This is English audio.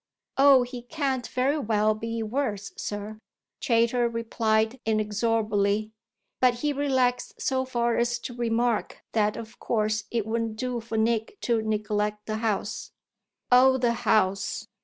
"Oh he can't very well be worse, sir," Chayter replied inexorably; but he relaxed so far as to remark that of course it wouldn't do for Nick to neglect the House. "Oh the House!"